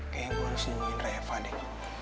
kayaknya gue harus nyembunyin reva deh